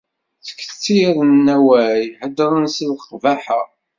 Ttkettiren awal, heddren s leqbaḥa.